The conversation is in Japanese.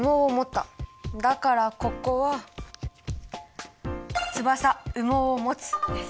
だからここは「翼・羽毛をもつ」です。